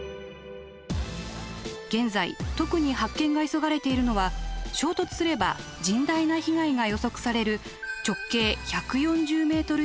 現在特に発見が急がれているのは衝突すれば甚大な被害が予測される